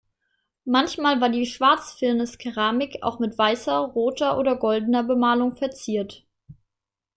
Manchmal war die Schwarzfirnis-Keramik auch mit weißer, roter oder goldener Bemalung verziert.